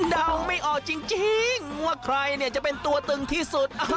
เดาไม่ออกจริงว่าใครเนี่ยจะเป็นตัวตึงที่สุด